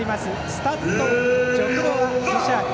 スタッド・ジェフロワ・ギシャール。